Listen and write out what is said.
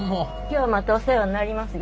今日またお世話になります。